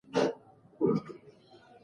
اداري سیستم د ټولنې بدلون ته ځواب وايي.